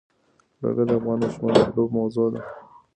لوگر د افغان ماشومانو د لوبو موضوع ده.